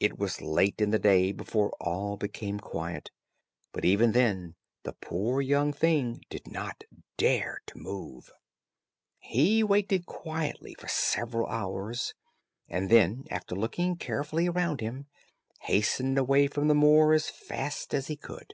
It was late in the day before all became quiet, but even then the poor young thing did not dare to move. He waited quietly for several hours, and then, after looking carefully around him, hastened away from the moor as fast as he could.